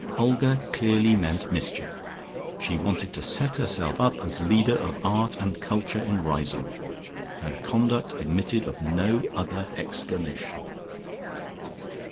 Olga clearly meant mischief: she wanted to set herself up as leader of Art and Culture in Riseholme. Her conduct admitted of no other explanation.